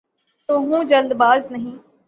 تو ہوں‘ جلد باز نہیں۔